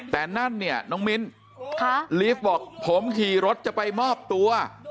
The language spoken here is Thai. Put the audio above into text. แต่นั่นเนี่ยน้องมิ้นลีฟบอกผมขี่รถจะไปมอบตัว